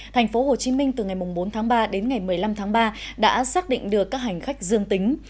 thành phố hồ chí minh từ ngày bốn tháng ba đến ngày một mươi năm tháng ba đã xác định được các hành khách dương tính